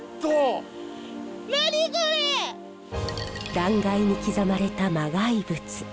断崖に刻まれた磨崖仏。